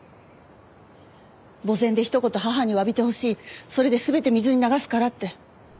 墓前で一言母に詫びてほしいそれで全て水に流すからって。